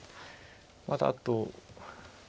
まだあと。